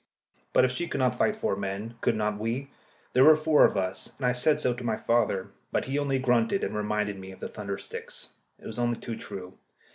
] But if she could not fight four men, could not we? There were four of us, and I said so to my father. But he only grunted, and reminded me of the thunder sticks. It was only too true.